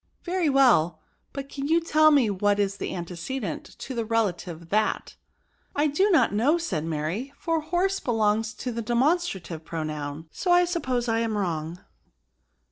" Very well ; but can you tell me what is the antecedent to the relative that ?"" I do not know,*' said Mary, " for horse belongs to the demonstrative pronoun ; so I suppose I am wrong."